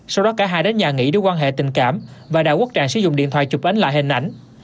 sau đó cả hai đến nhà nghỉ để quan hệ tình cảm và đạo quốc trạng sử dụng điện thoại chụp ánh lại hình ảnh